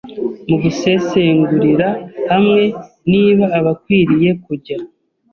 Mu gusesengurira hamwe niba abakwiriye kujya